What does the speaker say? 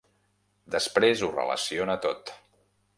Després ho relaciona tot.